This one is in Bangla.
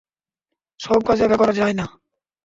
সব কাজ একা করা যায় না।